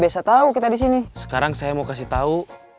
sekarang saya mau kasih tau